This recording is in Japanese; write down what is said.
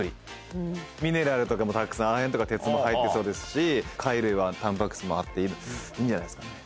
ミネラルとかもたくさん亜鉛とか鉄も入ってそうですし貝類はたんぱく質もあっていいんじゃないですかね。